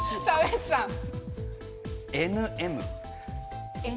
ＮＭ。